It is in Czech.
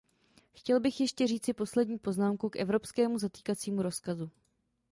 Chtěl bych ještě říci poslední poznámku k evropskému zatýkacímu rozkazu.